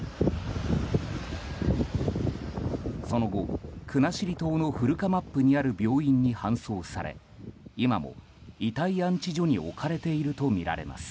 その後、国後島の古釜布にある病院に搬送され今も、遺体安置所に置かれているとみられます。